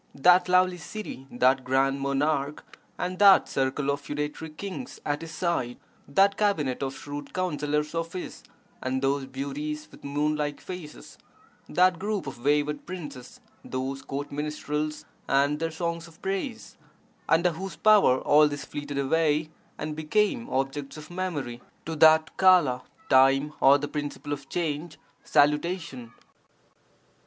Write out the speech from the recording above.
That lovely city, that grand monarch, and that circle of feudatory kings at his side, that cabinet of shrewd counsellors of his and those beauties with moon like faces, that group of wayward princes, those court minstrels and their songs of praise — under whose power all this fleeted away and became objects of memory, to that Kola (time or the principle of change) salutation!